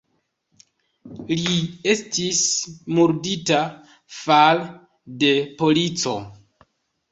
Li estis murdita fare de polico.